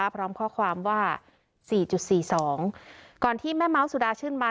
พร้อมข้อความว่าสี่จุดสี่สองก่อนที่แม่เม้าสุดาชื่นมา